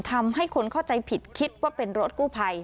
ทำให้คนเข้าใจผิดคิดว่าเป็นรถกู้ภัย